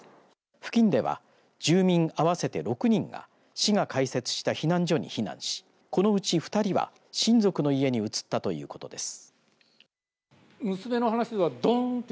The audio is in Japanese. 付近では、住民合わせて６人が市が開設した避難所に避難しこのうち２人は親族の家に移ったということです。